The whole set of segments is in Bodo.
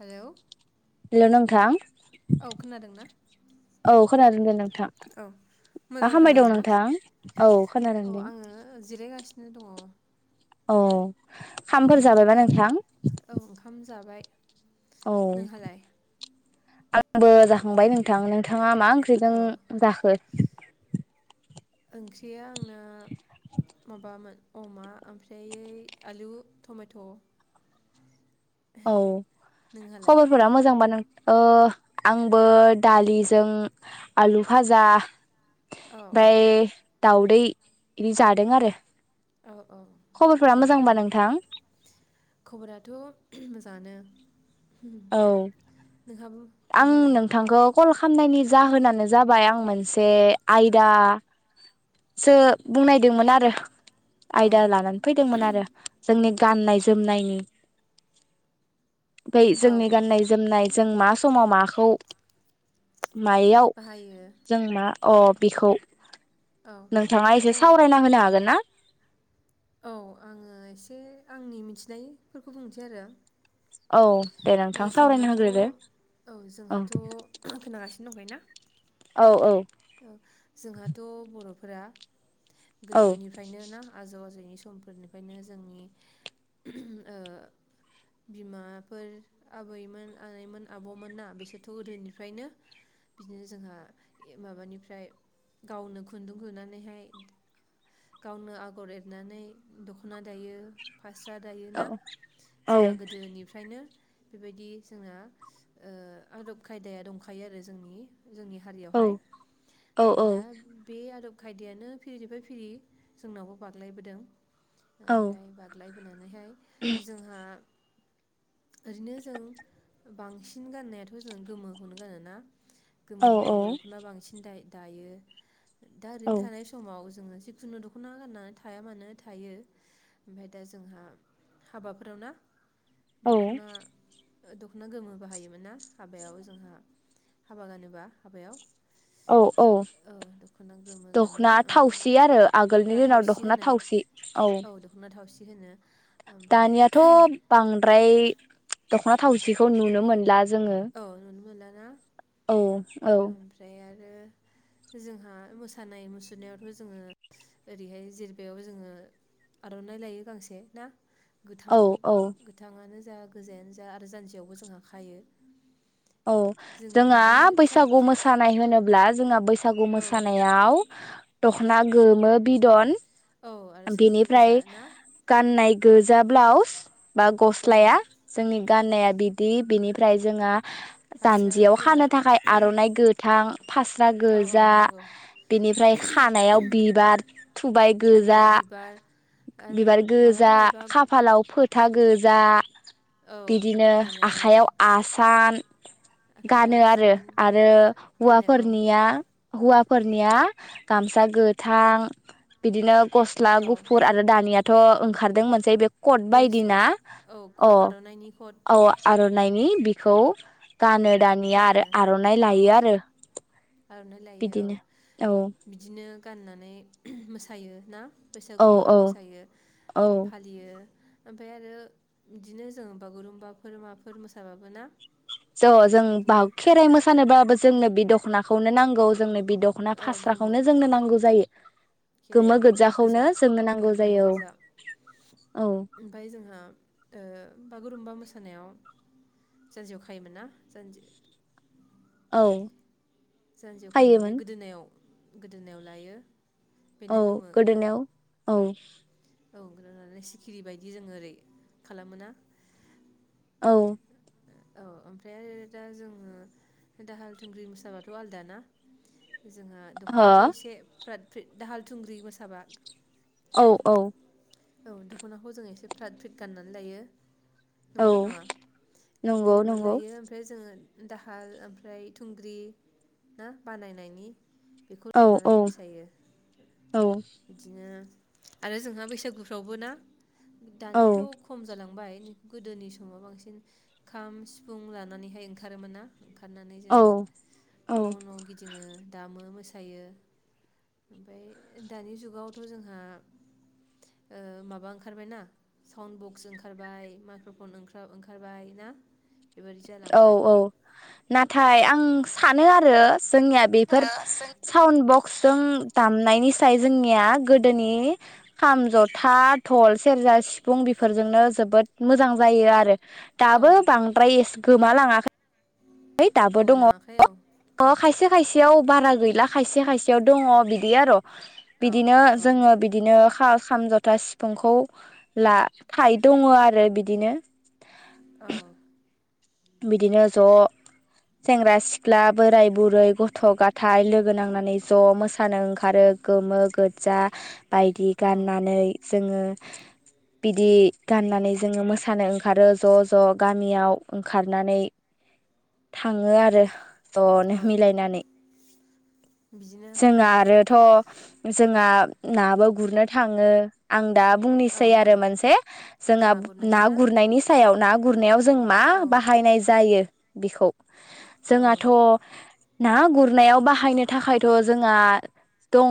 हेल हेल नोंथां औ खोनादोंदे नोंथ नोंथां औ मा मोजां खामबाय दं खोनादोंना? नोंथां? औ खोनादों औ दे। आङो [unintelligible] दङ औ। खामफोर जाबायबा नोंथां? औ ओंखाम जाबाय। औ। नोंहालाय? आंबो जाखांबाय नोंथां। नोंथाङा मा ओंख्रिजों औ जाखो? ओंख्रिया आं आंना माबामोन अमा आमफ्राय आलु टमेट औ नोंहालाय? खबरफोरा मोजांबा नों आंबो दालिजों आलु भाजा औ औ आमफ्राय दाउ ऐ इदि जादों आरो। औ औ खबरफोरा मोजांबा गोथावानो नोंथां खबराथ सानो। औ आं नोंहालाय? नोंथांखौ कल खामनायनि जाहोनानो जाबाय आं मोनसे आयदासो बुंनायदोंमोन आरो औ आयदा लानानै फैदोंमोन आरो जोंनि गाननाय जोमनायनि फाय औ जोंनि औ गाननाय जोमनाय जों मास समाव माखौ मायाव बाहायो जों मा अ बिखौ औ नोंथाङा एसे औ सावरायना होनो हागोन ना। औ आङो एसे आंनि मिथिनायफोरखौ बुंनोसै आरो औ दे नोंथां सावरायना जोंहाथ होग्रोदो औ औ जोंहाथ खोनागासिनो दंखायो ना। औ जोंहाथ बर'फोरा। औ गोदोनिफ्रायनो ना आजौ आजौनि समफोरनिफ्रायनो जोंनि ओ बिमाफोर आबैमोन आनैमोन आबौमोन ना बिसोरथ गोदोनिफ्रायनो बिदिनो जोंहा माबानिफ्राय गावनो खुन्दुं लुनानैहाय गावनो आगर एरनानै दखना दायो। फास्राआ दायोना औ जोंहा गोदोनिफ्रायनो। बेबायदि जोंना ओ आदब खायदाया दंखायो आरो जोंनि जोंनि औ हारियावहाय। औ ओमफ्राइदा बे बे आदब खायदायानो फिरिनिफ्राय फिरि जोंनावबो बाग्लायबोदों। औ ओमफ्राय बादलायबोनानैहाय जोंहा। ओरैनो जों बांसिन गाननायाथ जों गोमोखौनो गानोना। गोमो गोबां दा दायो। दा ओरैनो औ थानाय समाव जिखुनु दखना गाननानै थाया मानो थायो ओमफफ्राय दा जोंहा हाबाफोराव ना। औ दखना दखना गोमोबो हायोमोन ना हाबायाव जोंहा हाबा गानोबा हाबायाव। औ औ दख'ना गोमो गानो दखना ओमफ्राय थावसि आरो दख'ना आगोलनि दिनाव थावसि दखना थावसि औ। बिदिनो। दानियाथ बांद्राय दख खना थावसिखौ नुनो मोनला। जोङो औ नुनो मोनो ना औ औ आरो जोंहा मोसानाय मुसुरनायावथ' जोङो ओरैहाय जिरबायाव जोङो आर'नाइ लायो गांसे ना गोथां औ औ गोथाङानो जा गोजायानो जा आरो जानजियावबो जोंहा खायो। औ जों जोंहा बिदि फ्राद बैसागु फ्रिद मोसानाय होनोब्ला जोंहा बै बैसागु औ मोसानायाव दख'ना गोमो बिद'न औ आरो साद्रि गोजा बिनिफ्राय ना गाननाय गोजा ब्लाउस बा उम गस्लाया जोंनि गाननाया बिदि बिनिफ्राय जोंहा जान्जियाव फास्रायाबो गोजा खानो थाखाय आर'नाइ गोथां फास्रा औ औ गोजा नंगौ बेनिफ्राय खानायाव बिबार थुबाय गो जा खानायाव बिबार आरो बिबार मालाबा गोजा मालाबा खाफालाव फो था गोजा औ बिदिनो बेनो आरो आखाइयाव आसान आखाइयाव गानो आरो आसान आरो गानो औ हौवाफोरनिया हौवाफोरनिया गामसा गोथां बिदिनो गस्ला औ गुफुर आरो दानिया थ' ओंखारदों मोनसे बे कट वेस्ट बायदिना कट औ अ कट आर'नाइनि कट औ आर' नायनि बिखौ गानो दानिया गानो आरो आर'नाइ औ लायो आरो आर'नाइ लायो औ बिदिनो औ बिदिनो गाननानै मोसायो ना औ बैसागुफोराव औ मोसायो औ फालियो ओमफाय आरो इदिनो जों बागुरुम्बाफोर माफोर मोसाबाबो ना ज' जों बिदिनो बाग खेराइ मोसानोबाबो जोंनो बिदि दख'नाखौनो नांगौ जोंनो बि दख'ना फास्राखौनो जोंनो नांगौ जायो। गोमो खेराइयावबो गोजाखौनो गोजा जोंनो ओ नांगौ गोमो जायो गोजा औ ओमफाय जोंहा ओ बागुरुम्बा मोसानायाव जान्जियाव खायोमोन ना। जान्जि औ। जान्जियाव खायोमोन खानानै गोदोनायाव गोदोनायाव लायो। बेनो औ गोमो गोदोनेव औ। औ [unintelligible] सिखिरि बायदि जोङो ओरै खालामोना। औ। औ ओमफ्राय आरो दा जोंङो दाहाल थुंग्रि मोसाबाथ आलदा ना। जोंहा दख'नाखौ हो एसे फ्राद खो दाहाल थुंग्रि मोसाबा औ औ। औ दख'नाखौ जों एसे फ्रात फ्रिट गान्नानै लायो। औ नङोना नङा? खाफ्रि नंगौ गान्नानै नंगौ लायो ओमफ्राय जोङो दाहाल ओमफ्राय थुंग्रि ना बानायनायनि बेखौ औ लानानै औ मोसायो औ बिदिनो आरो जोंहा बैसागु प्रावबोना दानिथ खम जालांबाय। गोदोनि समाव बांसिन खाम सिफुं लानानैहाय ओंखारोमोन्ना। ओंखारनानै औ जोङो औ न' न' गिदिङो दामो मोसा थायो। ओमफाय दानि जुगावथ' जोंहा ओ माबा ओंखारबाय ना साउन्ड बक्स ओंखारबाय माइक्र फन ओंखा-ओंखारबाय औ औ नाथाय आं आं सानो आरो जोंनिया बेफोर जों साउन्ड बक्स जों दामनायनि थाय जोंनिया गोदोनि खाम, जथा, धल, सेरजा, सिफुं बेफोरजोंनो जोबोद मोजां जायो आरो। दाबो औ बांद्राय ए गोमालाङाखै। [unintelligible] दाबो दङ गोमालाङाखै औ अ खायसे खायसेयाव बारा गैला खायसे खायसेयाव दङ। बिदि आर'। औ बिदिनो औ जोङो बिदिनो खा-खाम, ज दा सिफुंखौ ला थाय दङ आरो बिदिनो। औ बिदिनो ज सेंग्रा सिख्ला, बोराय बुरै, गथ' गथाय लोगो नांनानै ज मोसानो ओंखारो गोमो गोजा बायदि औ गान्नानै जोङो। बिदि गाननानै जोङो मोसानो ओंखारो ज ज गामियाव। ओंखारनानै थाङो आरो। ज नो औ मिलायनानै। बिदिनो जोंहा आरोथ जोंहा नाबो गुरनो थाङो आं दा औ बुंनोसै औ आरो मोनसे जोंहा ना गुरनायखौ ना गुरनायनि सायाव ना गुरनायाव जों मा औ बाहायनाय जायो? बिखौ औ जोंहाथ' ना गुरनायाव बाहायनो थाखाय थ' जोंहा दङ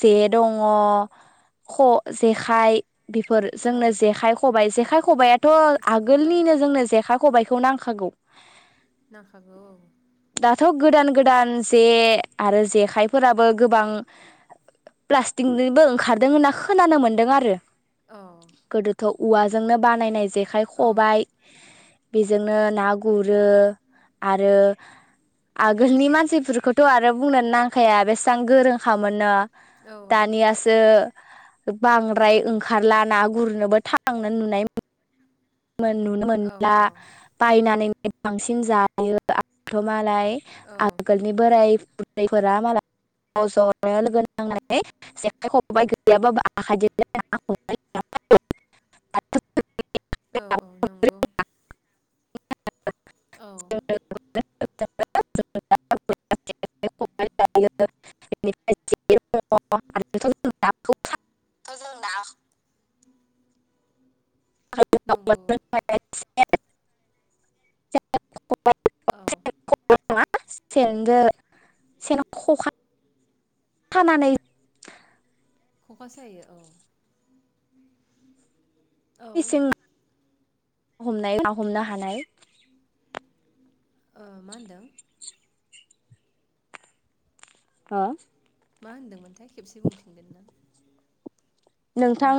जे दङ ख' जेखाइ बेफोर औ जोंनो जेखाय खबाइ जेखाइ आखाइ खबाय थ जेखाइ खबाइ आगोलनिनो जोंनो जेखा खबायाइखौ नांखागौ। नांखागौ औ। दाथ' गोदान गोदान जे आरो जे आखाइफोराबो गोबां प्लास्टिकनिबो ओंखारदों होनना खोनानो मोनदों आरो। औ गोदोथ' औवाजोंनो बानायनाय जे खाइ औ खबाय बेजोंनो ना गुरो आरो आगोलनि मानसिफोरखौथ‌ आरो बुंनो नां खाया बेसेबां गोरोंखामोननो। औ दानियासो बांद्राय ओंखारला ना गुरनोबो थांनो नुनाय मोन नुनो औ मोनला बायनानै बांसिन जायो आरथ मालाय औ आगोलनि बोराय बुरै फोरा मालाय ज जनो लोगो नांनानै जेखाइ खबायाइ गैयाबाबो आखाइजोंनो ना हम [unintelligible] औ औ नंगौ। औ [unintelligible] [unintelligible] जेखाय खबाय लायो जों [unintelligible] ना [unintelligible] नंगौ [unintelligible] [unintelligible] औ। [unintelligible] सेनजो सेनाव खखा खानानै खखा सायो। औ। मेचिं हमनाय ना हमनो हानाय ओ मा होनदों? ओ मा होनदोंमोनथाय? खेबसे बुंफिनगोन ना? नोंथां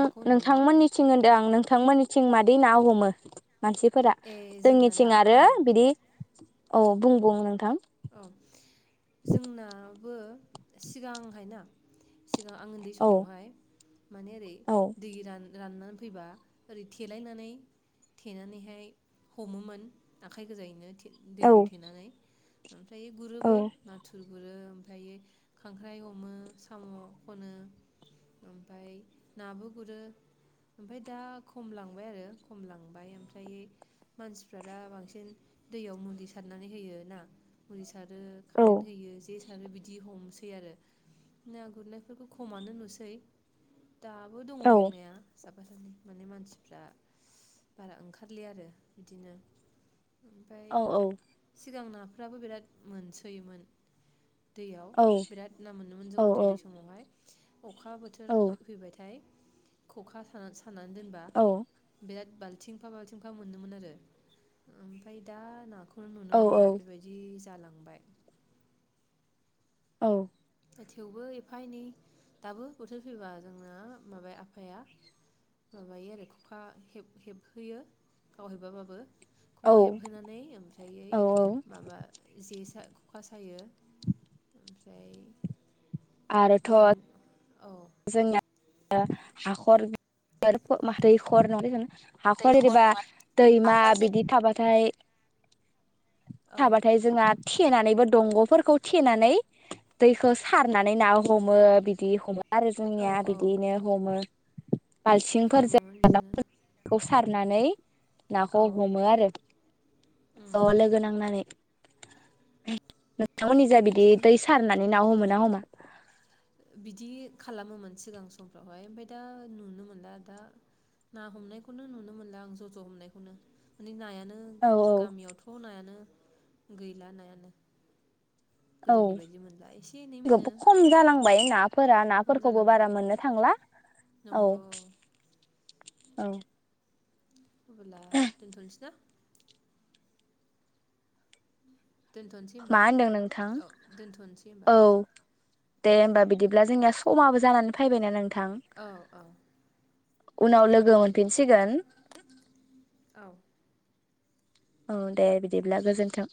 नामा नोंथांमोननिथिं होनदो आं नों थांमोननिथिं मादि ना हमो? मानसिफोरा ए जोंना दा जोंनिथिं आरो औ बिदि अ बुं बुं नोंथां। औ जोंना बो सिगांहायना सिगां आं उन्दै औ समावहाय माने ओरै औ दै रान राननानै फैबा ओरै थेलायनानै थेनानैहाय हमोमोन आखाय गोजायैनो। औ दैखौ थेनानै फायो गुरोबो नाथुर गुरो फायो खांख्राइ हमो साम' खनो ओमफाय नाबो गुरो ओमफाय दा खम लांबाय आरो खम लांबाय ओमफ्राय मानसिफ्रा दा बांसिन दैयाव मुलि सारनानै होयो ना आरो औ खारेन्ट होयो जे सा आरो बिदि हमसै आरो ना गुरनायफोरखौ खमानो नुसै। दाबो दङ औ दंनाया। [unintelligible] माने मानसिफ्रा बारा ओंखारलिया आरो बिदिनो ओमफाय औ औ सिगांना फ्राबो बिराद मोनसोयोमोन‌। दैयाव औ बिराद ना मोनोमोन जों औ उन्दै उन्दै समावहाय। अखा बोथोर औ फैबाथाय खखा साना स फाननानै दोनबा औ बिराद बालथिंफा बालथिंफा मोनोमोन आरो ओमफ्राय दा नाखौ खौ औ नुनो मोनला बेबायदि गालांबाय। औ। थेवबो एफा एनै दाबो बोथोर फैबा जोंनो माबा आफाया माबायो आरो खखा हेब हेबहोयो गाव हेबाबाबो खहा हेबहोनानै ओमफ्राय औ माबा जे खखा सायो [inaudible] ओमफ्राय ना आरोथ' औ जोंनिया हाखर [unintelligible] दैखर [unintelligible] माबा माबि हाखर दैखर एबा नङा दैमा हाखर जे बिदि थाबाथाय औ थाबाथाय जोंहा थेनानैबो दंग'फोरखौ थेनानै दैखौ सारनानै ना हमो बिदि हमो आरो औ जोंनिया औ बिदियैनो हमो खालामोमोन बालथिंफोरजों बिदिनो नाफोरखौ सार नानै औ नाखौ हमो आरो उम ज' लोगो नांनानै। [unintelligible] नोंथां मोननिजा बिदि बिदिनो दै सारनानै ना हमो ना हमा? बिदि खालामोमोन सिगां समफ्रावहाय ओमफ्राय दा नुनो मोनला दा ना हमनायखौनो नुनो मोनला आं ज' ज' हमनायखौनो माने नायानो औ उम औ गामियावथ' नायानो गैला नायानो। औ गोदोनि बायदि मोनला एसे एनै मोनो [unintelligible] खम जालांबाय नाफोरा खम नाफोरखौबो बारा जालांबाय मोननो थांला औ। नंगौ औ। अब्ला दोनथनोसै ना? दोनथ'नोसै होमबा मा होनदों नोंथां औ दोनथ'नोसै होमबा औ आदा औ दे होमबा बिदिब्ला जोंनिया समाबो जानानै फैबायना नोंथां। औ औ। उनाव लोगो मोन फिनसिगोन। औ औ दे बिदिब्ला गोजोन्थों।